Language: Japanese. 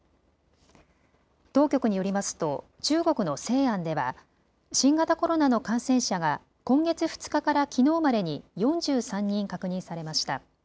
当局によりますと中国の西安では新型コロナの感染者が今月２日からきのうまでに４３人確認されました。